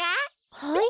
はい？